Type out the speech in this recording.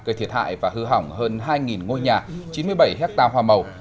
gây thiệt hại và hư hỏng hơn hai ngôi nhà chín mươi bảy hectare hoa màu